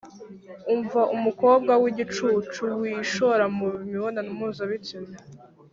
Umva umukobwa w’igicucu wishora mu mibonano mpuzabitsina